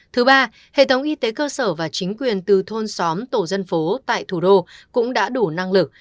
thứ ba hệ thống y tế cơ sở và chính quyền từ thôn xóm tổ dân phố tại thủ đô cũng đã đủ năng lực